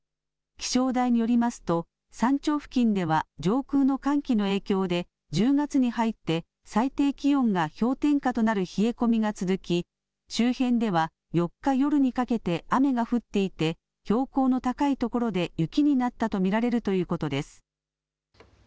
気象台によりますと山頂付近では上空の寒気の影響で１０月に入って最低気温が氷点下となる冷え込みが続き周辺では４日夜にかけて雨が降っていて標高の高いところで雪になったと見られるということです。